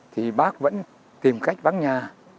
thì bác vẫn tìm cách vắng nhà